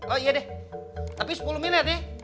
oh iya deh tapi sepuluh miliar deh